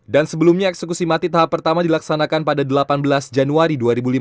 dan sebelumnya eksekusi mati tahap pertama dilaksanakan pada delapan belas januari dua ribu lima belas